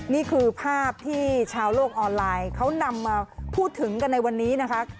นี่คือภาพที่ชาวโลกออนไลน์เขานำมาพูดถึงกันในวันนี้นะคะ